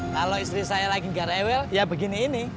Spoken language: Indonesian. kalau istri saya lagi gak rewel ya begini ini